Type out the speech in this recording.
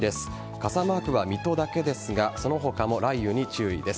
傘マークは水戸だけですがその他も雷雨に注意です。